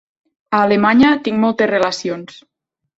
A Alemanya tinc moltes relacions.